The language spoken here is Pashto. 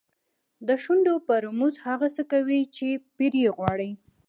د شونډو په رموز هغه څه کوي چې پیر یې غواړي.